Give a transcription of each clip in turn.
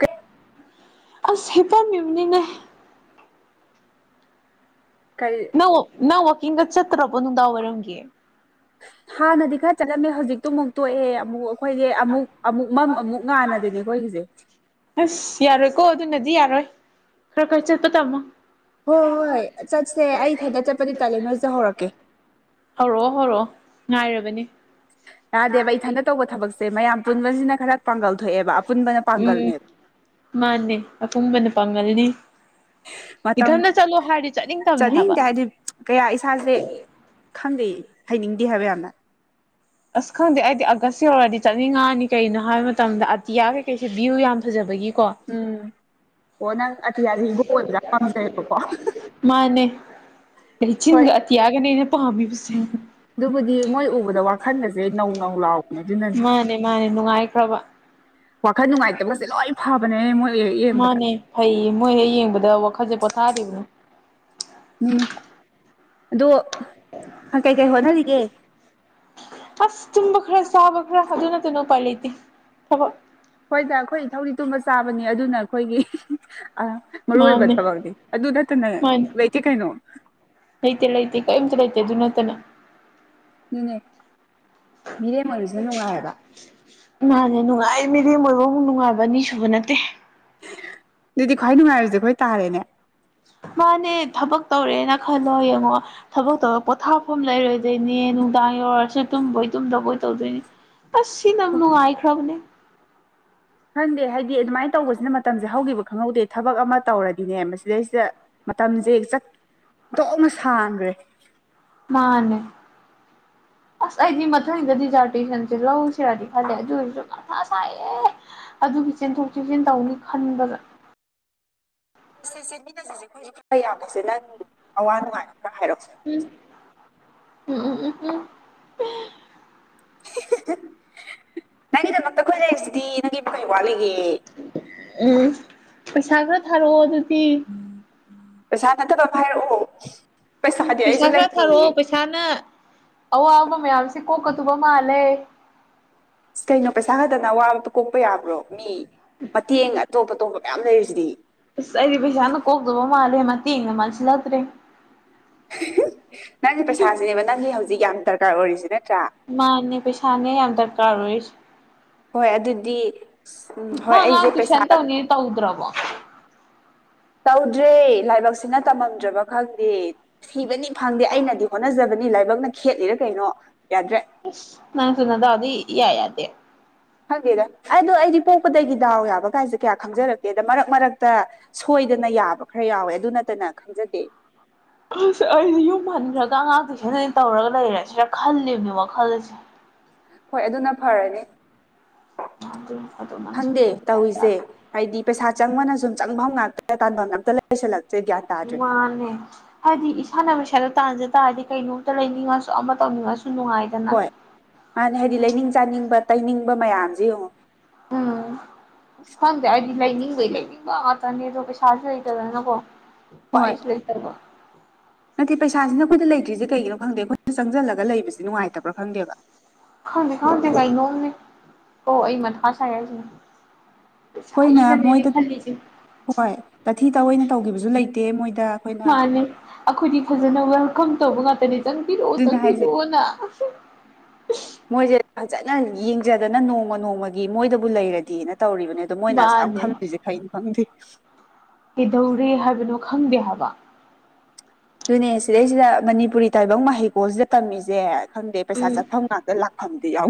ꯀꯔꯤ ꯑꯩꯁꯦ ꯇꯨꯝꯃꯤꯕꯅꯤꯅꯦ ꯀꯔꯤ ꯅꯪ ꯅꯪ ꯋꯥꯛꯀꯤꯡꯒ ꯆꯠꯇ꯭ꯔꯕꯣ ꯅꯨꯡꯗꯥꯡ ꯋꯥꯏꯔꯝꯒꯤ ꯍꯥꯟꯅꯗꯤ ꯈꯔ ꯆꯠꯂꯝꯃꯦ ꯍꯧꯖꯤꯛꯇꯤ ꯑꯃꯨꯛ ꯇꯣꯛꯑꯦ ꯑꯃꯨꯛ ꯑꯩꯈꯣꯏꯒꯤ ꯑꯃꯨꯛ ꯑꯃꯨꯛ ꯃꯝ ꯑꯃꯨꯛ ꯉꯥꯟ ꯍꯥꯏꯗꯨꯅꯦ ꯑꯩꯈꯣꯏꯒꯤꯖꯦ ꯑꯁ ꯌꯥꯔꯣꯏꯀꯣ ꯑꯗꯨꯅꯗꯤ ꯌꯥꯔꯣꯏ ꯈꯔ ꯈꯔ ꯆꯠꯄ ꯇꯝꯃꯣ ꯍꯣꯏ ꯍꯣꯏ ꯆꯠꯁꯦ ꯑꯩ ꯏꯊꯟꯗ ꯆꯠꯄꯗꯤ ꯇꯜꯂꯦ ꯅꯣꯏꯁꯨ ꯍꯧꯔꯛꯀꯦ ꯍꯧꯔꯛꯑꯣ ꯍꯧꯔꯛꯑꯣ ꯉꯥꯏꯔꯕꯅꯤ ꯌꯥꯗꯦꯕ ꯏꯊꯟꯗ ꯇꯧꯕ ꯊꯕꯛꯁꯦ ꯃꯌꯥꯝ ꯄꯨꯟꯕꯁꯤꯅ ꯈꯔ ꯄꯥꯡꯒꯜ ꯊꯣꯛꯑꯦꯕ ꯑꯄꯨꯟꯕꯅ ꯎꯝ ꯄꯥꯡꯒꯜꯅꯦꯕ ꯃꯥꯅꯦ ꯑꯄꯨꯟꯕꯅ ꯄꯥꯡꯒꯜꯅꯤ ꯃꯇꯝ ꯏꯊꯟꯇ ꯆꯠꯂꯣ ꯍꯥꯏꯔꯗꯤ ꯆꯠꯅꯤꯡꯗꯕꯅꯦ ꯍꯥꯏꯕ ꯆꯠꯅꯤꯡꯗꯦ ꯍꯥꯏꯗꯤ ꯀꯌꯥ ꯏꯁꯥꯖꯦ ꯈꯪꯗꯦ ꯍꯩꯅꯤꯡꯗꯦ ꯍꯥꯏꯕ ꯌꯥꯝꯅ ꯑꯁ ꯈꯪꯗꯦ ꯑꯩꯗꯤ ꯑꯒꯁ ꯌꯧꯔꯛꯑꯗꯤ ꯆꯠꯅꯤꯡꯉꯥꯑꯅꯤ ꯀꯩꯒꯤꯅꯣ ꯍꯥꯏꯕ ꯃꯇꯝꯗ ꯑꯇꯤꯌꯥ ꯀꯩꯀꯩꯁꯦ ꯚ꯭ꯌꯨ ꯌꯥꯝ ꯐꯖꯕꯒꯤꯀꯣ ꯎꯝ ꯑꯣ ꯅꯪ ꯑꯇꯤꯌꯥꯖꯤ ꯍꯤꯒꯣꯛ ꯑꯣꯢꯕ ꯌꯝ ꯄꯝꯖꯩꯕꯀꯣ ꯃꯥꯅꯦ ꯂꯩꯆꯤꯟꯒ ꯑꯇꯤꯌꯥꯒꯅꯦ ꯑꯩꯅ ꯄꯥꯝꯃꯤꯁꯦ ꯎꯝ ꯗꯨꯕꯨꯗꯤ ꯃꯣꯏ ꯎꯕꯗ ꯋꯥꯈꯜꯗꯁꯦ ꯅꯧ ꯅꯧ ꯂꯥꯎꯕꯅꯦ ꯑꯗꯨꯅꯅꯦ ꯃꯥꯅꯦ ꯃꯥꯅꯦ ꯅꯨꯡꯉꯥꯏꯈ꯭ꯔꯕ ꯋꯥꯈꯜ ꯅꯨꯡꯉꯥꯏꯇꯕꯁꯦ ꯂꯣꯏ ꯐꯕꯅꯦ ꯃꯣꯏ ꯌꯦꯡꯕꯗ ꯃꯥꯅꯦ ꯐꯩꯌꯦ ꯃꯣꯏ ꯍꯦꯛ ꯌꯦꯡꯕꯗ ꯋꯥꯈꯜꯁꯦ ꯄꯣꯊꯥꯔꯤꯕꯅꯦ ꯎꯝ ꯑꯗꯣ ꯀꯩꯀꯩ ꯍꯣꯠꯅꯔꯤꯒꯦ ꯑꯁ ꯇꯨꯝꯕ ꯈꯔ ꯆꯕ ꯈꯔ ꯑꯗꯨꯅꯠꯇ ꯎꯄꯥꯢ ꯂꯩꯇꯦ ꯊꯕꯛ ꯍꯣꯏꯗ ꯑꯩꯈꯣꯏ ꯊꯧꯗꯤ ꯇꯨꯝꯕ ꯆꯥꯕꯅꯤ ꯑꯗꯨꯅ ꯑꯩꯈꯣꯏꯒꯤ ꯑꯥ ꯃꯔꯨ ꯑꯣꯏꯕ ꯃꯥꯅꯦ ꯊꯕꯛꯅꯤ ꯑꯗꯨ ꯅꯠꯇꯅ ꯃꯥꯅꯦ ꯂꯩꯇꯦ ꯀꯩꯅꯣ ꯂꯩꯇꯦ ꯂꯩꯇꯦ ꯀꯩꯝꯇ ꯂꯩꯇꯦ ꯑꯗꯨ ꯅꯠꯇꯅ ꯥꯑꯗꯨꯅꯦ ꯃꯤꯔꯦꯝ ꯑꯣꯏꯕꯁꯦ ꯅꯨꯡꯉꯥꯏꯑꯦꯕ ꯃꯥꯅꯦ ꯅꯨꯡꯉꯥꯏ ꯃꯤꯔꯦꯝ ꯑꯣꯏꯕꯕꯨꯨꯛ ꯅꯨꯡꯉꯥꯏꯕ ꯑꯅꯤꯁꯨꯕ ꯅꯠꯇꯦ ꯑꯗꯨꯗꯤ ꯈ꯭ꯋꯥꯏ ꯅꯨꯡꯉꯥꯏꯔꯁꯦ ꯑꯩꯈꯣꯏ ꯇꯥꯔꯦꯅꯦ ꯃꯥꯅꯦ ꯊꯕꯛ ꯇꯧꯔꯦꯅ ꯈꯜꯂꯣ ꯍꯌꯦꯡꯋꯥꯏ ꯊꯕꯛ ꯇꯧꯔꯒ ꯄꯣꯊꯥꯐꯝ ꯂꯩꯔꯣꯏꯗꯣꯏꯅꯦ ꯅꯨꯡꯗꯥꯡ ꯌꯧꯔꯁꯨ ꯇꯨꯝꯕꯣꯏ ꯇꯨꯝꯗꯕꯣꯏ ꯇꯧꯗꯣꯏꯅꯤ ꯑꯁ ꯁꯤꯅ ꯅꯨꯉꯥꯏ ꯈ꯭ꯔꯕꯅꯦ ꯈꯪꯗꯦ ꯍꯥꯏꯗꯤ ꯑꯗꯨꯃꯥꯏꯅ ꯇꯧꯕꯁꯤꯅ ꯃꯇꯝꯁꯦ ꯍꯧꯈꯤꯕ ꯈꯪꯍꯧꯗꯦ ꯊꯕꯛ ꯑꯃ ꯇꯧꯔꯗꯤꯅꯦ ꯃꯁꯤꯗꯩꯁꯤꯗ ꯃꯇꯝꯖꯦ ꯆꯠ ꯑꯣꯊꯣꯛꯅ ꯁꯥꯟꯈ꯭ꯔꯦ ꯃꯥꯅꯦ ꯑꯁ ꯑꯩꯗꯤ ꯃꯊꯪꯗꯗꯤ ꯖꯥꯔꯇꯦꯁꯟꯁꯦ ꯂꯧꯁꯤ ꯆꯤꯔꯗꯤ ꯈꯜꯂꯦ ꯑꯗꯨ ꯑꯣꯏꯔꯁꯨ ꯃꯊꯥ ꯁꯥꯏꯌꯦ ꯑꯗꯨꯒꯤ ꯆꯦꯟꯊꯣꯛ ꯆꯦꯟꯁꯤꯟ ꯇꯧꯅꯤ ꯈꯟꯕꯗ [unintelligible] ꯎꯝ ꯎꯝ ꯎꯝ ꯎꯝ ꯎꯝ [unintelligible] ꯅꯪꯒꯤꯗꯃꯛꯇ ꯑꯩꯈꯣꯏ ꯂꯩꯔꯤꯁꯤꯗꯤ ꯅꯪꯒꯤꯕꯨ ꯀꯔꯤ ꯋꯥꯠꯂꯤꯒꯦ ꯎꯝ ꯄꯩꯁꯥ ꯈꯔ ꯊꯥꯔꯛꯑꯣ ꯑꯗꯨꯗꯤ ꯄꯩꯁꯥ ꯅꯠꯇꯕ ꯑꯃ ꯍꯥꯏꯥꯏꯔꯛꯑꯣ ꯎꯝ ꯄꯩꯁꯥ ꯈꯔ ꯊꯥꯔꯛꯑꯣ ꯄꯩꯁꯥꯅ ꯑꯋꯥꯕ ꯃꯌꯥꯝꯁꯦ ꯀꯣꯛꯀꯗꯕ ꯃꯥꯜꯂꯦ ꯑ ꯀꯩꯅꯣ ꯄꯩꯁꯥ ꯈꯛꯇꯅ ꯑꯋꯥꯕ ꯀꯣꯛꯄ ꯌꯥꯕ꯭ꯔꯣ ꯃꯤ ꯃꯇꯦꯡ ꯑꯇꯣꯞ ꯑꯇꯣꯞꯄ ꯃꯌꯥꯝ ꯂꯩꯔꯤꯁꯤꯗꯤ ꯑꯁ ꯑꯩꯗꯤ ꯄꯩꯁꯥꯅ ꯀꯣꯛꯗꯧꯕ ꯃꯥꯜꯂꯦ ꯃꯇꯦꯡꯅ ꯃꯥꯜꯁꯤꯜꯂꯛꯇ꯭ꯔꯦ [unintelligible] ꯅꯪꯒꯤ ꯄꯩꯁꯥꯁꯤꯅꯦꯕ ꯅꯪꯒꯤ ꯍꯧꯖꯤꯛ ꯌꯥꯝ ꯗꯔꯀꯥꯔ ꯑꯣꯏꯔꯤꯁꯤ ꯅꯠꯇ꯭ꯔꯥ ꯃꯥꯅꯦ ꯄꯩꯁꯥꯅꯦ ꯌꯥꯝ ꯗꯔꯀꯥꯔ ꯑꯣꯏꯁ ꯍꯣꯏ ꯑꯗꯨꯗꯤ ꯁꯠ ꯎꯝ ꯍꯣꯏ ꯅꯪ ꯑꯩꯁꯦ ꯑꯉꯥꯡ ꯄꯩꯁꯥ ꯇꯨꯏꯁꯟ ꯇꯧꯅꯤ ꯇꯧꯗ꯭ꯔꯕꯣ ꯇꯧꯗ꯭ꯔꯦ ꯂꯥꯏꯕꯛꯁꯤꯅ ꯇꯝꯃꯝꯗ꯭ꯔꯕ ꯈꯪꯗꯦ ꯊꯤꯕꯅꯤ ꯐꯪꯗꯦ ꯑꯩꯅꯗꯤ ꯍꯣꯠꯅꯖꯕꯅꯤ ꯂꯥꯏꯕꯛꯅ ꯈꯦꯠꯂꯤꯔ ꯀꯩꯅꯣ ꯌꯥꯗ꯭ꯔꯦ ꯑꯁ ꯅꯪꯁꯨ ꯅꯗꯧꯗꯤ ꯏꯌꯥ ꯌꯥꯗꯦ ꯈꯪꯒꯦꯗ ꯑꯗꯣ ꯑꯩꯗꯤ ꯄꯣꯛꯄꯗꯒꯤ ꯗꯥꯎ ꯌꯥꯕ ꯀꯥꯏꯁꯦ ꯀꯌꯥ ꯈꯪꯖꯔꯛꯇꯦꯗ ꯃꯔꯛ ꯃꯔꯛꯇ ꯁꯣꯏꯗꯅ ꯌꯥꯕ ꯈꯔ ꯌꯥꯎꯋꯦ ꯑꯗꯨ ꯅꯠꯇꯅ ꯈꯪꯖꯗꯦ ꯑꯁ ꯑꯩꯁꯗꯤ ꯌꯨꯝ ꯍꯟꯈ꯭ꯔꯒ ꯑꯉꯥꯡ ꯇꯨꯢꯁꯟ [unintelligible] ꯇꯧꯔꯒ ꯂꯩꯔꯦ ꯁꯤꯔ ꯈꯜꯂꯤꯕꯅꯦꯕ ꯈꯜꯂꯁꯦ ꯍꯣꯏ ꯑꯗꯨꯅ ꯐꯔꯅꯤ ꯈꯪꯗꯦ ꯇꯧꯔꯤꯁꯦ [unintelligible] ꯍꯥꯏꯗꯤ ꯄꯩꯁꯥ ꯆꯪꯕꯅ ꯁꯨꯝ ꯆꯪꯐꯝ ꯉꯥꯛꯇ ꯇꯥꯟꯐꯝ ꯑꯝꯇ ꯂꯩꯁꯤꯜꯂꯛꯇꯔ ꯒ꯭ꯌꯥꯟ ꯇꯥꯗ꯭ꯔꯦ ꯋꯥꯅꯦ ꯍꯥꯏꯗꯤ ꯏꯁꯥꯅ ꯄꯩꯁꯥꯗꯣ ꯇꯥꯟꯖ ꯇꯥꯔꯗꯤ ꯀꯩꯅꯣꯝꯇ ꯂꯩꯅꯤꯡꯉꯁꯨ ꯑꯃ ꯇꯧꯅꯤꯡꯉꯁꯨ ꯅꯨꯡꯉꯥꯏ ꯍꯣꯏ ꯃꯥꯅꯦ ꯍꯥꯏꯗꯤ ꯂꯩꯅꯤꯡ ꯆꯥꯅꯤꯡꯕ ꯇꯩꯅꯤꯡꯕ ꯃꯌꯥꯝꯁꯦ ꯌꯦꯡꯉꯣ ꯎꯝ ꯈꯪꯗꯦ ꯑꯩꯗꯤ ꯂꯩꯅꯤꯡꯕꯩ ꯂꯩꯅꯤꯡꯕ ꯉꯥꯀꯇꯅꯦ ꯑꯗꯣ ꯄꯩꯁꯁꯨ ꯂꯩ ꯇꯗꯅꯀꯣ ꯍꯣꯏ ꯎꯄꯥꯏꯁꯨ ꯂꯩꯇꯕ ꯅꯠꯇꯦ ꯄꯩꯁꯥꯁꯤꯅꯥ ꯑꯩꯈꯣꯏꯗ ꯂꯩꯇ꯭ꯔꯤꯁꯦ ꯀꯩꯒꯤꯅꯣ ꯈꯪꯗꯦ ꯑꯩꯈꯣꯏꯅ ꯆꯪꯁꯤꯜꯂꯒ ꯂꯩꯕꯁꯦ ꯅꯨꯡꯉꯥꯏꯇ꯭ꯔꯥ ꯈꯪꯗꯦꯕ ꯈꯥꯗ ꯈꯥꯗ ꯀꯅꯣꯝꯅꯤ ꯍꯣ ꯑꯩ ꯃꯊꯥꯁꯥꯏ ꯍꯥꯏꯁꯤꯅꯤ ꯑꯩꯈꯣꯏꯅ ꯄꯩꯁꯥꯒꯤꯗꯅꯦ ꯑꯩꯅ ꯃꯣꯏꯗ ꯈꯜꯂꯤꯁꯦ ꯍꯣꯏ ꯇꯥꯊꯤ ꯇꯥꯑꯣꯏꯅ ꯇꯧꯒꯤꯕꯁꯨ ꯂꯩꯇꯦ ꯃꯣꯏꯗ ꯑꯩꯈꯣꯏꯅ ꯃꯥꯅꯦ ꯑꯩꯈꯣꯏꯗꯤ ꯐꯖꯅ ꯋꯦꯜꯀꯝ ꯇꯧꯕ ꯉꯥꯛꯇꯅꯦ ꯆꯪꯕꯤꯔꯛꯑꯣ ꯑꯗꯨꯅ ꯍꯥꯏꯁꯦ ꯆꯪꯕꯤꯔꯛꯑꯣꯅ ꯃꯣꯏꯁꯦ ꯐꯖꯅ ꯌꯦꯡꯖꯗꯅ ꯅꯣꯡꯃ ꯅꯣꯡꯃꯒꯤ ꯃꯣꯏꯗꯕꯨ ꯂꯩꯔꯗꯤꯅ ꯇꯧꯔꯤꯕꯅꯦ ꯗ ꯃꯣꯏꯅ ꯑꯁꯥꯃ ꯃꯥꯅꯦ ꯈꯪꯗ꯭ꯔꯤꯁꯦ ꯈꯩꯅꯣ ꯈꯪꯗꯦ ꯀꯩꯗꯧꯔꯤ ꯍꯥꯏꯕꯅꯣ ꯈꯪꯗꯦ ꯍꯥꯏꯕ ꯑꯗꯨꯅꯦ ꯁꯤꯗꯩꯁꯤꯗ ꯃꯅꯤꯄꯨꯔꯤ ꯇꯥꯏꯕꯪ ꯃꯍꯩꯀꯣꯜꯁꯤꯗ ꯇꯝꯃꯤꯁꯦ ꯈꯪꯗꯦ ꯄꯩꯁꯥ ꯆꯠꯐꯝ ꯉꯥꯛꯇꯥ ꯂꯥꯛꯐꯝꯗꯤ ꯌꯥꯎ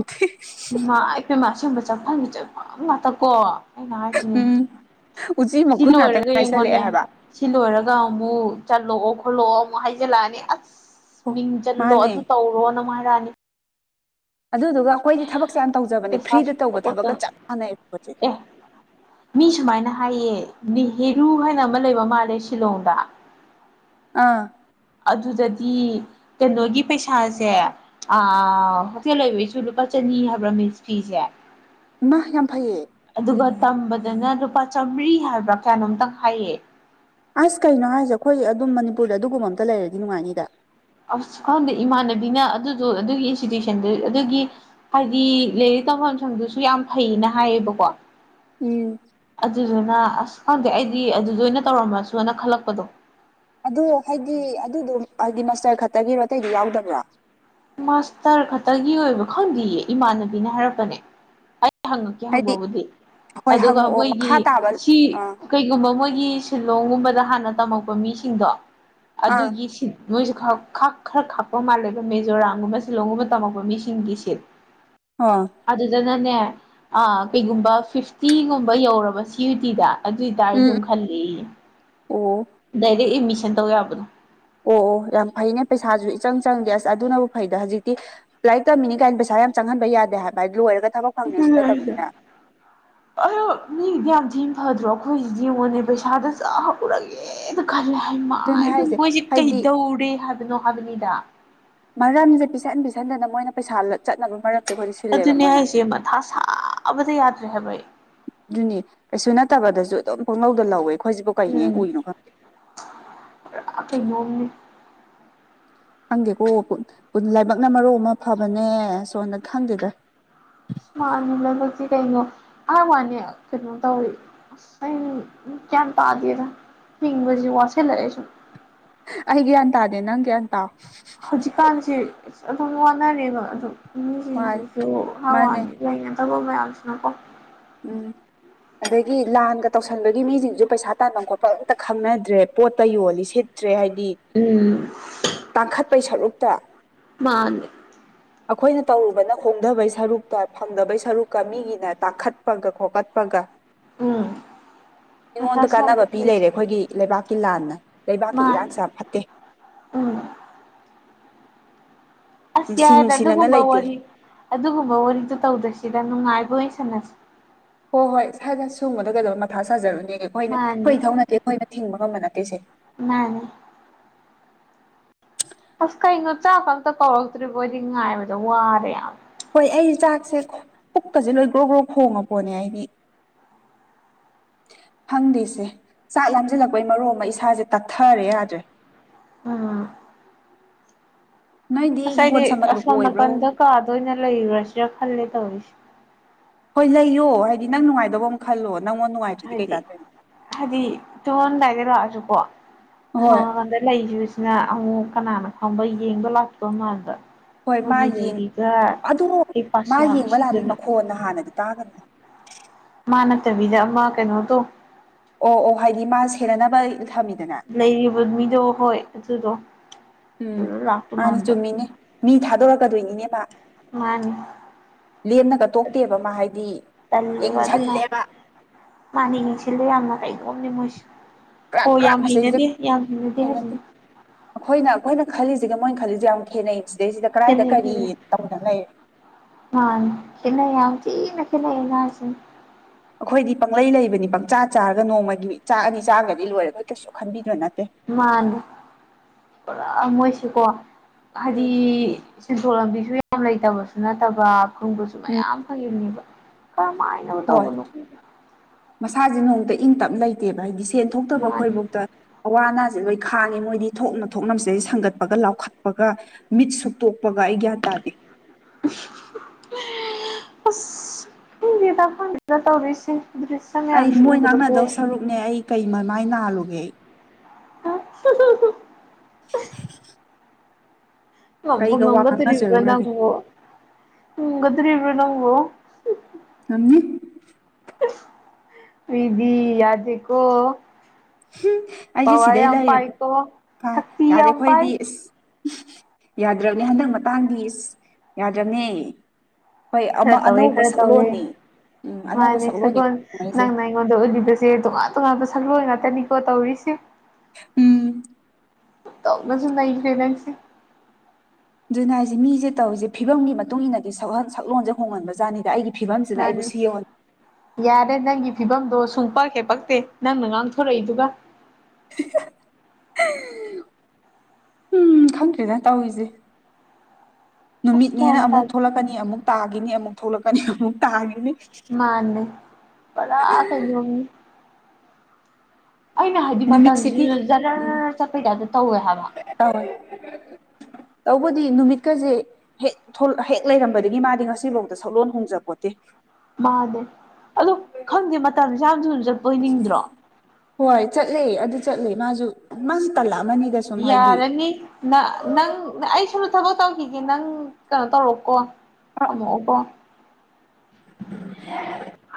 ꯏꯃꯥ ꯄꯦꯃꯥ ꯑꯁꯦꯡꯕ ꯆꯠꯐꯝꯒꯤ ꯆꯠꯐꯃ ꯉꯥꯛꯇ ꯀꯣ ꯑꯩꯅ ꯍꯥꯏꯁꯤꯅꯦ ꯎꯆꯤ ꯁꯤ ꯃꯈꯨꯟ ꯉꯥꯛꯇ ꯂꯣꯏꯔꯒ ꯉꯥꯏꯁꯜꯂꯛꯑꯦ ꯌꯦꯡꯉꯣꯅꯦ ꯍꯥꯏꯕ ꯁꯤ ꯂꯣꯏꯔꯒ ꯑꯃꯨꯛ ꯆꯠꯂꯣ ꯑꯣꯈꯥꯠꯂꯣ ꯑꯃꯨꯛ ꯍꯥꯏꯖꯤꯜꯂꯛꯑꯅꯤ ꯑꯁ ꯃꯤꯡ ꯖꯜꯂꯣ ꯃꯥꯅꯦ ꯑꯗꯨ ꯇꯧꯔꯣ ꯅ ꯑꯃꯨꯛ ꯍꯥꯏꯔꯛꯅꯤ ꯑꯗꯨꯗꯨꯒ ꯑꯩꯈꯣꯏꯗꯤ ꯊꯕꯛꯁꯦ ꯌꯥꯝ ꯇꯧꯖꯕꯅꯦ ꯄꯩꯁꯥꯁꯨ ꯐ꯭ꯔꯤꯗ ꯇꯧꯕ ꯀꯣꯠꯇꯅ ꯊꯕꯛꯀ ꯆꯞ ꯃꯥꯟꯅꯩ ꯄꯣꯠꯁꯦ ꯑꯦ ꯃꯤ ꯁꯨꯃꯥꯏꯅ ꯍꯥꯏꯌꯦ ꯅꯦꯍꯦꯔꯨ ꯍꯥꯏꯅ ꯑꯃ ꯂꯩꯕ ꯃꯥꯜꯂꯦ ꯁꯤꯂꯣꯡꯗ ꯑꯥ ꯑꯗꯨꯗꯗꯤ ꯀꯩꯅꯣꯒꯤ ꯄꯩꯁꯥꯁꯦ ꯑ ꯍꯣꯇꯦꯜ ꯂꯩꯕꯩꯁꯨ ꯂꯨꯄꯥ ꯆꯅꯤ ꯍꯥꯏꯕ꯭ꯔꯥ ꯃꯤꯁ ꯐꯤꯁꯦ ꯏꯃꯥ ꯌꯥꯝ ꯐꯩꯌꯦ ꯑꯗꯨꯒ ꯇꯝꯕꯗꯅ ꯂꯨꯄꯥ ꯆꯥꯝꯃꯔꯤ ꯍꯥꯏꯕ꯭ꯔꯥ ꯀꯌꯥꯅꯣꯝꯇꯪ ꯍꯥꯏꯌꯦ ꯑꯁ ꯀꯩꯅꯣ ꯍꯥꯏꯁꯦ ꯑꯩꯈꯣꯏ ꯑꯗꯨꯝ ꯃꯅꯤꯄꯨꯔꯗ ꯑꯗꯨꯒꯨꯝꯕ ꯑꯝꯇ ꯂꯩꯔꯗꯤ ꯅꯨꯡꯉꯥꯏꯅꯤꯗ ꯑꯁ ꯈꯪꯗꯦ ꯏꯃꯥꯟꯅꯕꯤꯅ ꯑꯗꯨꯗꯣ ꯑꯗꯨꯒꯤ ꯏꯟꯁꯇꯤꯇ꯭ꯨꯁꯟꯗꯨ ꯑꯗꯨꯒꯤ ꯍꯥꯏꯗꯤ ꯂꯥꯏꯔꯤꯛ ꯇꯝꯐꯝ ꯁꯪꯗꯨꯁꯨ ꯌꯥꯝ ꯐꯩꯅ ꯍꯥꯏꯌꯦꯕꯀꯣ ꯎꯝ ꯑꯗꯨꯗꯨꯅ ꯑꯁ ꯈꯪꯗꯦ ꯑꯩꯗꯤ ꯑꯗꯨꯗ ꯑꯣꯏꯅ ꯇꯧꯔꯝꯃꯁꯨꯅ ꯈꯜꯂꯛꯄꯗꯣ ꯑꯗꯣ ꯍꯥꯏꯗꯤ ꯑꯗꯨꯗꯣ ꯍꯥꯏꯗꯤ ꯃꯁꯇꯔ ꯈꯛꯇꯒꯤꯔꯣ ꯑꯇꯩꯗ ꯌꯥꯎꯗꯕ꯭ꯔꯣ ꯃꯥꯁꯇꯔ ꯈꯛꯇꯒꯤ ꯑꯣꯏꯕ ꯈꯪꯗꯦꯌꯦ ꯏꯃꯥꯟꯅꯕꯤꯅ ꯍꯥꯏꯔꯛꯄꯅꯦ ꯑꯩ ꯍꯪꯉꯛꯀꯦ ꯍꯥꯏꯗꯤ ꯍꯪꯕꯕꯨꯗꯤ ꯍꯣꯏ ꯑꯗꯨꯒ ꯍꯪꯉꯛꯑꯣ ꯃꯣꯏꯒꯤ ꯃꯈꯥ ꯇꯥꯕ ꯁꯤ ꯑꯥ ꯀꯩ ꯀꯒꯨꯝꯕ ꯃꯣꯏꯒꯤ ꯁꯤꯂꯣꯡꯒꯨꯝꯕꯗ ꯍꯥꯟꯅ ꯇꯝꯃꯛꯄ ꯃꯤꯁꯤꯡꯗꯣ ꯑꯥ ꯑꯗꯨꯒꯤ ꯁꯤꯜ ꯃꯣꯏꯁꯨ ꯈ ꯈꯥꯀ ꯈꯔ ꯈꯄ ꯃꯥꯜꯦꯕ ꯃꯦ ꯖꯣꯔꯥꯃꯒꯨꯝꯕ ꯁꯤꯂꯣꯡꯒꯨꯝꯕ ꯇꯃꯛꯄ ꯃꯤꯁꯤꯡꯒꯤ ꯁꯤꯠ ꯑꯣ ꯑꯗꯨꯗꯅꯅꯦ ꯑꯥ ꯀꯩꯒꯨꯝꯕ ꯐꯤꯐꯇꯤꯒꯨꯝꯕ ꯌꯧꯔꯕ ꯁꯤ ꯌꯨ ꯗꯤꯗ ꯑꯗꯣꯏꯇꯔꯗꯨꯝ ꯈꯜꯂꯦꯌꯦ ꯑꯣ ꯗꯥꯏꯔꯦꯛ ꯑꯦꯠꯃꯤꯁꯟ ꯇꯧ ꯌꯥꯕꯗꯣ ꯑꯣ ꯑꯣ ꯌꯥꯝ ꯐꯩꯅꯦ ꯄꯩꯁꯥꯁꯨ ꯏꯆꯪ ꯆꯪꯗꯦ ꯑꯁ ꯑꯗꯨꯅꯕꯨ ꯐꯩꯗ ꯍꯧꯖꯤꯛꯇꯤ ꯂꯥꯏꯔꯤꯛ ꯇꯝꯃꯤꯅꯤ ꯀꯥꯏꯅ ꯄꯩꯁꯥ ꯌꯥꯝ ꯆꯪꯍꯟꯕ ꯌꯥꯗꯦ ꯍꯥꯏꯕ ꯗꯨꯑꯣꯏꯔꯒ ꯊꯕꯛ ꯐꯪꯅꯤꯁꯨ ꯅꯠꯇꯕꯅꯤꯅ [unintelligible] ꯑꯌ ꯃꯤꯒꯤꯗꯤ ꯌꯥꯝ ꯊꯤꯅ ꯐꯗ꯭ꯔꯣ ꯑꯩꯈꯣꯏꯁꯤꯗꯤ ꯌꯦꯡꯉꯣꯟꯅꯦ ꯄꯩꯁꯥꯗ ꯆꯥꯛ ꯍꯄꯨꯔꯒꯦ ꯑꯦꯗ ꯈꯜꯂꯦ ꯍꯥꯏ ꯃ ꯑꯗꯨꯅ ꯍꯥꯏꯁꯦ ꯃꯣꯏꯁꯦ ꯍꯥꯏꯗꯤ ꯀꯩꯗꯧꯔꯦ ꯍꯥꯏꯕꯅꯣ ꯍꯥꯏꯕꯅꯤꯗ ꯃꯔꯝꯁꯦ ꯄꯤꯁꯟ ꯄꯤꯁꯟꯗꯅ ꯃꯣꯏꯅ ꯄꯩꯁꯥ ꯆꯠꯅꯕ ꯃꯔꯝ ꯑꯗꯨꯅꯦ ꯑꯩꯁꯦ ꯃꯊꯥ ꯁꯥꯕꯗ ꯌꯥꯗ꯭ꯔꯦ ꯍꯥꯏꯕ ꯑꯩ ꯑꯗꯨꯅꯤ ꯀꯩꯁꯨ ꯅꯠꯇꯕꯗꯁꯨ ꯑꯗꯨꯝ ꯄꯣꯡꯂꯧꯗ ꯂꯧꯋꯦ ꯑꯩꯈꯣꯏꯖꯤꯕꯨ ꯎꯝ ꯄꯨꯔꯥ ꯀꯩꯅꯣꯝꯅꯤ ꯈꯪꯗꯦꯀꯣ [unintelligible] ꯂꯥꯏꯕꯛꯅ ꯃꯔꯣꯟꯃ ꯑꯃ ꯐꯕꯅꯦ ꯁꯣꯝꯗ ꯈꯪꯗꯦꯗ ꯑꯁ ꯃꯥꯟꯅꯤ ꯂꯥꯏꯕꯛꯇꯤ ꯀꯩꯅꯣ ꯍꯥꯏꯋꯥꯅꯦ ꯀꯩꯅꯣ ꯇꯧꯔꯛꯏ ꯑꯁ ꯑꯩ ꯒ꯭ꯌꯥꯟ ꯇꯥꯗꯦꯗ ꯍꯤꯡꯕꯖꯤ ꯋꯥꯁꯤꯜꯂꯛꯑꯦ ꯁꯨꯝ ꯑꯩꯒꯤ ꯒ꯭ꯌꯥꯟ ꯇꯥꯗꯦ ꯅꯪ ꯒ꯭ꯌꯥꯟ ꯇꯥꯎ ꯍꯧꯖꯤꯛꯀꯥꯟꯁꯦ ꯑꯗꯨꯝ ꯋꯥꯅꯔꯦꯕ ꯑꯗꯨꯝ ꯃꯤꯖꯤꯡꯖꯤꯖꯨ ꯃꯥꯅꯦ ꯍꯥꯋꯥꯅꯤ ꯂꯩꯗꯅ ꯊꯕꯛ ꯃꯌꯥꯝꯁꯤꯅ ꯀꯣ ꯎꯝ ꯑꯗꯒꯤ ꯂꯥꯟꯒ ꯇꯧꯁꯟꯕꯒꯤ ꯃꯤꯖꯤꯡꯖꯨ ꯄꯩꯁꯥ ꯇꯥꯟꯕꯝ ꯈꯣꯠꯄꯝ ꯑꯝꯇ ꯈꯪꯅꯗ꯭ꯔꯦ ꯄꯣꯠꯇ ꯌꯣꯜꯂꯤ ꯁꯤꯠ ꯇ꯭ꯔꯦ ꯍꯥꯏꯗꯤ ꯎꯝ ꯇꯥꯡꯈꯠꯄꯩ ꯁꯔꯨꯛꯇ ꯃꯥꯅꯦ ꯑꯈꯣꯏꯅ ꯇꯧꯔꯨꯕꯅ ꯍꯣꯡꯙꯕꯩ ꯁꯔꯨꯛꯇ ꯐꯪꯗꯕꯩ ꯁꯔꯨꯛꯀ ꯃꯤꯒꯤꯅ ꯇꯥꯡꯈꯠ ꯄꯒ ꯈꯣꯀꯠ ꯄꯒ ꯎꯝ ꯃꯤꯉꯣꯟꯗ ꯀꯥꯟꯅꯕ ꯄꯤ ꯂꯩꯔꯦ ꯑꯩꯈꯣꯏꯒꯤ ꯂꯩꯕꯥꯛꯀꯤ ꯂꯥꯟꯅ ꯂꯩꯕꯥꯛꯀꯤ ꯃꯥꯅꯦ ꯏꯔꯥꯡꯁꯦ ꯌꯥꯝ ꯐꯠꯇꯦ ꯎꯝ ꯑꯁ ꯅꯨꯡꯁꯤ ꯌꯥꯔꯦꯗ ꯅꯨꯡꯁꯤꯅꯅ ꯑꯗꯨꯒꯨꯝꯕ ꯂꯩꯇꯦ ꯋꯥꯔꯤ ꯑꯗꯨꯒꯨꯝꯕ ꯋꯥꯔꯤꯗꯨ ꯇꯧꯗꯁꯤꯗ ꯅꯨꯡꯉꯥꯏꯕ ꯑꯣꯏ ꯁꯥꯟꯅꯁꯤ ꯍꯣꯏ ꯍꯣꯏ [unintelligible] ꯁꯨꯝꯕꯗ ꯀꯩꯗꯧ ꯃꯊꯥ ꯁꯥꯖꯔꯨꯅꯦꯒꯦ ꯑꯩꯈꯣꯏꯅ ꯃꯥꯅꯤ ꯑꯩꯈꯣꯏ ꯏꯊꯧ ꯅꯠꯇꯦ ꯑꯩꯈꯣꯏꯅ ꯊꯤꯡꯕ ꯉꯝꯕ ꯅꯠꯇꯦꯁꯦ ꯃꯥꯅꯤ ꯑꯁ ꯀꯩꯅꯣ ꯆꯥꯛꯀ ꯑꯝꯇ ꯀꯧꯔꯛꯇ꯭ꯔꯤꯕꯣ ꯑꯩꯗꯤ ꯉꯥꯏꯕꯗ ꯋꯥꯔꯦ ꯌꯥꯝ ꯍꯣꯏ ꯑꯩ ꯆꯥꯛꯁꯦ ꯄꯨꯛꯀꯖꯦ ꯂꯣꯏ ꯒ꯭ꯔꯣ ꯒ꯭ꯔꯣ ꯈꯣꯡꯉꯄꯣꯠꯅꯦ ꯑꯩꯗꯤ ꯈꯪꯗꯦꯁꯦ ꯆꯥꯛ ꯂꯥꯝꯖꯜꯂꯛꯄꯩ ꯃꯔꯣꯝꯃ ꯏꯁꯥꯖ ꯇꯠꯊꯔꯦ ꯌꯥꯗ꯭ꯔꯦ ꯑ ꯅꯣꯏꯗꯤ ꯑꯁ ꯍꯤꯡꯒꯣꯜ ꯑꯩꯗꯤ ꯁꯝꯕꯜꯒ ꯀꯣꯏꯕ꯭ꯔꯣ ꯑꯁꯣꯝꯅꯀꯟꯗ ꯀꯥꯗ ꯑꯣꯏꯅ ꯂꯩꯔꯨꯔꯁꯤꯔ ꯈꯜꯂꯦ ꯇꯧꯔꯤꯖꯦ ꯍꯣꯏ ꯂꯩꯌꯣ ꯍꯥꯏꯗꯤ ꯅꯪ ꯅꯨꯡꯉꯥꯏꯗꯧꯕ ꯑꯃ ꯈꯜꯂꯣ ꯅꯪꯉꯣꯟ ꯅꯨꯡꯉꯥꯏꯇ꯭ꯔꯗꯤ ꯀꯩ ꯍꯥꯏꯗꯤ ꯀꯥꯟꯗꯣꯏꯅꯣ ꯍꯥꯏꯗꯤ ꯇꯨꯃꯝꯗꯥꯏꯗ ꯂꯥꯛꯑꯖꯨꯀꯣ ꯍꯣꯏ ꯑꯁꯣꯝꯅꯀꯟꯗ ꯂꯩ [unintelligible] ꯅ ꯑꯃꯨꯛ ꯀꯅꯥꯅ ꯈꯪꯕ ꯌꯦꯡꯕ ꯂꯥꯛꯄ ꯃꯥꯟꯕ ꯍꯣꯏ ꯃꯥ ꯃꯣꯏꯒꯤ ꯌꯦꯡ ꯂꯩꯔꯤꯕ ꯍꯩꯄꯥ ꯁ꯭ꯌꯥꯝ ꯁꯤꯡꯗꯨꯅ ꯑꯣ ꯅꯍꯥꯟꯅꯗꯤ ꯇꯥꯒ꯭ꯔꯝꯅꯤ ꯃꯥ ꯅꯠꯇꯕꯤꯗ ꯑꯃ ꯀꯩꯅꯣꯗꯣ ꯑꯣ ꯑꯣ ꯍꯥꯏꯗꯤ ꯃꯥ ꯁꯦꯟꯅꯅꯕ ꯊꯝꯃꯤꯗꯅ ꯂꯩꯔꯤꯕ ꯃꯤꯗꯣ ꯍꯣꯏ ꯑꯗꯨꯗꯣ ꯎꯝ ꯑꯗꯨꯗ ꯂꯥꯛꯇꯧ ꯃꯥꯅꯤ ꯃꯥꯟꯕ ꯆꯨꯝꯃꯤꯅꯦ ꯃꯤ ꯊꯥꯗꯣꯔꯛꯀꯗꯨꯏꯅꯤꯅꯦ ꯃꯥ ꯃꯥꯅꯤ ꯂꯦꯝꯅꯒ ꯇꯣꯛꯇꯦꯕ ꯃꯥ ꯍꯥꯏꯗꯤ ꯌꯦꯡꯖꯜꯂꯦꯕ ꯃꯥꯅꯦ ꯌꯦꯡꯁꯤꯜꯂꯦ ꯌꯥꯝꯅ ꯀꯩꯅꯣꯝꯅꯦ ꯃꯣꯏꯖꯦ ꯀ꯭ꯔꯛ ꯍꯣ ꯀ꯭ꯔꯛ ꯌꯥꯝ ꯃꯁꯤꯗꯩꯁꯤꯗ ꯍꯩꯅꯗꯦ ꯌꯥꯝ ꯍꯩꯅꯗꯦ ꯍꯥꯏꯖꯤꯅꯤ ꯑꯩꯈꯣꯏꯅ ꯑꯩꯈꯣꯏꯅ ꯈꯜꯂꯤꯖꯤꯒ ꯃꯣꯏ ꯈꯜꯂꯤꯖꯤꯒ ꯌꯥꯝ ꯈꯦꯠꯅꯩ ꯁꯤꯗꯩꯁꯤꯗ ꯀꯗꯥꯏꯗ ꯈꯦꯠꯅꯩ ꯀꯔꯤ ꯇꯧꯗꯅ ꯂꯩꯔꯦ ꯃꯥꯟꯅꯤ ꯈꯦꯠꯅꯩ ꯌꯥꯝ ꯊꯤꯅ ꯈꯦꯠꯅꯩ ꯑꯩꯅ ꯍꯥꯏꯁꯤꯅꯤ ꯑꯈꯣꯏꯗꯤ ꯄꯪꯂꯩ ꯂꯩꯕꯅꯤ ꯄꯪꯆꯥ ꯆꯥꯔꯒ ꯅꯣꯡꯃꯒꯤ ꯆꯥꯛ ꯑꯅꯤ ꯆꯥꯒ꯭ꯔꯗꯤ ꯂꯣꯏꯔꯦ ꯑꯩꯈꯣꯏ ꯀꯩꯁꯨ ꯈꯟꯕꯤꯕ ꯅꯠꯇꯦ ꯃꯥꯟꯅꯤ ꯄꯨꯔꯥ ꯃꯣꯏꯁꯦꯀꯣ ꯎꯝ ꯍꯥꯏꯗꯤ ꯁꯦꯟꯊꯣꯛ ꯂꯝꯕꯤꯖꯨ ꯌꯥꯝ ꯂꯩꯇꯕꯁꯨ ꯅꯠꯇꯕ ꯐꯪꯕꯁꯨ ꯎꯝ ꯃꯌꯥꯝ ꯐꯪꯉꯤꯅꯦꯕ ꯀꯔꯝꯃꯥꯏꯅꯕꯨ ꯇꯧꯕꯅꯣ ꯈꯪꯗꯦ ꯃꯁꯥꯖꯦ ꯅꯣꯡꯃꯇ ꯏꯪ ꯇꯞ ꯂꯩꯇꯦꯕ ꯍꯥꯏꯗꯤ ꯁꯦꯟ ꯇꯧꯕ ꯊꯣꯛꯇꯕ ꯃꯥꯜꯂꯤ ꯑꯩꯈꯣꯏꯕꯧꯇ ꯑꯋꯥ ꯑꯅꯥꯖꯦ ꯂꯣꯏ ꯈꯥꯡꯉꯤ ꯃꯣꯏꯗꯤ ꯊꯣꯛꯅ ꯊꯣꯛꯅ ꯃꯁꯤꯗꯩ ꯁꯪꯒꯠꯄꯒ ꯂꯥꯎꯈꯠꯄꯒ ꯃꯤꯠ ꯁꯨꯛꯇꯣꯛꯄꯒ ꯑꯩ ꯒ꯭ꯌꯥꯟ ꯇꯥꯗꯦ [unintelligible] ꯑꯁ ꯈꯪꯗꯦꯗ ꯈꯪꯗꯦꯗ ꯇꯧꯔꯤꯁꯤ [unintelligible] ꯑꯩ ꯃꯣꯏ ꯉꯥꯡꯅꯗꯧ ꯁꯔꯨꯛꯅꯦ ꯑꯩ ꯀꯩ ꯃꯃꯥꯏ ꯅꯥꯜꯂꯨꯒꯦ ꯑꯩ [unintelligible] [unintelligible] ꯉꯝꯕꯨ ꯀꯩꯒ ꯋꯥ ꯉꯝꯒꯗꯨꯔꯤꯕ꯭ꯔꯥ ꯉꯥꯡꯅꯖꯔꯨꯔꯒꯦ ꯅꯪꯕꯣ ꯉꯝꯒꯗꯨꯔꯤꯕ꯭ꯔꯥ ꯅꯪꯕꯣ ꯉꯝꯅꯤ ꯏꯁ ꯃꯤꯗꯤ ꯌꯥꯗꯦꯀꯣ ꯑꯩꯁꯦ ꯄꯋꯥꯔ ꯁꯤꯗꯩ ꯌꯥꯝ ꯂꯩꯔꯦ ꯄꯥꯏꯀꯣ ꯐꯥꯏ ꯁꯛꯇꯤ ꯌꯥꯗꯦ ꯌꯥꯝ ꯄꯥꯏ ꯑꯩꯈꯣꯏꯗꯤ ꯑꯁ ꯌꯥꯗ꯭ꯔꯕꯅꯦ ꯍꯟꯗꯛ ꯃꯇꯥꯡꯗꯤ ꯏꯁ ꯌꯥꯗ꯭ꯔꯕꯅꯦ ꯍꯣꯏ ꯑꯃ ꯈꯔ ꯇꯧꯋꯦ ꯑꯅꯧꯕ ꯈꯔ ꯇꯧꯋꯦ ꯁꯛꯂꯣꯟꯅꯤ ꯎꯝ ꯑꯅꯧꯕ ꯃꯥꯅꯦ ꯁꯛꯂꯣꯟꯅꯤ ꯁꯒꯣꯜ ꯅꯪꯅ [unintelligible] ꯑꯩꯉꯣꯟꯗ ꯎꯠꯂꯤꯕꯁꯦ ꯇꯣꯉꯥꯟ ꯇꯣꯉꯥꯟꯕ ꯁꯛꯂꯣꯟ ꯉꯥꯛꯇꯅꯤꯀꯣ ꯇꯧꯔꯤꯁꯤ ꯎꯝ ꯑꯟꯊꯣꯛꯅꯁꯨ ꯅꯩꯈ꯭ꯔꯦ ꯑꯩꯁꯦ ꯗꯨꯅꯦ ꯍꯥꯏꯁꯦ ꯃꯤꯁꯦ ꯇꯧꯔꯤꯁꯦ ꯐꯤꯕꯝꯒꯤ ꯃꯇꯨꯡ ꯏꯟꯅꯗꯤ ꯁꯛꯂꯣꯟ ꯁꯛꯂꯣꯟꯖꯦ ꯍꯣꯡꯍꯟꯕꯖꯥꯠꯅꯤꯗ ꯑꯩꯒꯤ ꯐꯤꯕꯝꯁꯤꯗ ꯃꯥꯅꯦ ꯑꯩꯕꯨ ꯁꯤꯌꯧꯍꯜ ꯌꯥꯔꯦ ꯅꯪꯒꯤ ꯐꯤꯕꯝꯗꯣ ꯁꯨꯡ ꯄꯛꯍꯦꯛ ꯄꯛꯇꯦ ꯅꯪꯅ ꯉꯥꯡꯊꯣꯔꯛꯏꯗꯨꯒ [unintelligible] ꯎꯝ ꯈꯪꯗ꯭ꯔꯦꯗ ꯇꯧꯔꯤꯖꯤ ꯑꯁ ꯅꯨꯃꯤꯠꯅꯦꯅ ꯒ꯭ꯌꯥꯟ ꯑꯃꯨꯛ ꯇꯥꯗꯦ ꯊꯣꯛꯂꯛꯀꯅꯤ ꯑꯃꯨꯛ ꯇꯥꯒꯤꯅꯤ ꯑꯃꯨꯛ ꯊꯣꯛꯂꯛꯀꯅꯤ ꯑꯃꯨꯛ ꯇꯥꯒꯤꯅꯤ ꯃꯥꯅꯦ ꯄꯔꯥ ꯀꯩꯅꯣꯝꯅꯤ ꯑꯩꯅ ꯍꯥꯏꯗꯤ ꯅꯨꯃꯤꯠꯁꯤꯗꯤ ꯃꯇꯝꯖꯤꯖꯨ ꯎꯝ [unintelligible] ꯆꯠꯄꯩ ꯇꯥꯏꯞꯇ ꯇꯧꯋꯦ ꯍꯥꯏꯕ ꯇꯧꯋꯦ ꯇꯧꯕꯨꯗꯤ ꯅꯨꯃꯤꯠꯀꯖꯦ ꯍꯦꯛ ꯊꯣꯛ ꯍꯦꯛ ꯂꯩꯔꯝꯕꯗꯒꯤ ꯃꯥꯗꯤ ꯉꯁꯤꯕꯧꯇ ꯁꯛꯂꯣꯟ ꯍꯣꯡꯖꯄꯣꯠꯇꯦ ꯃꯥꯅꯦ ꯑꯗꯣ ꯈꯪꯗꯦ ꯃꯇꯝꯁꯦ ꯌꯥꯝ ꯊꯨꯅ ꯆꯠꯄꯣꯏ ꯅꯤꯡꯗ꯭ꯔꯣ ꯍꯣꯏ ꯆꯠꯂꯦ ꯑꯗꯨ ꯆꯠꯂꯦ ꯃꯥꯖꯨ ꯃꯥꯖꯨ ꯇꯜꯂꯛꯑꯃꯅꯤꯗ ꯁꯨꯝ ꯍꯥꯏꯗꯤ ꯌꯥꯔꯅꯤ ꯅꯪ ꯑꯩ ꯁꯣꯝꯗ ꯊꯕꯛ ꯇꯧꯈꯤꯒꯦ ꯅꯪ ꯀꯩꯅꯣ ꯇꯧꯔꯣ ꯀꯣ ꯑ ꯊꯝꯃꯛꯑꯣꯀꯣ [unintelligible]